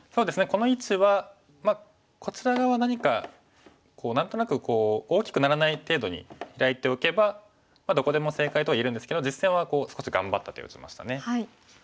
この位置はまあこちら側は何か何となく大きくならない程度にヒラいておけばどこでも正解とは言えるんですけど実戦は少し頑張った手を打ちましたね。